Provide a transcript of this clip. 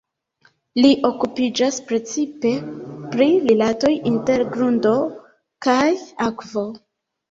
Li okupiĝas precipe pri rilatoj inter grundo kaj akvo.